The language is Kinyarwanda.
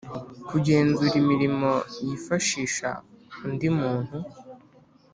Kugenzura imirimo yifashisha undi muntu